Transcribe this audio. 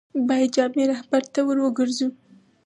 باید جامع رهبرد ته ور وګرځو.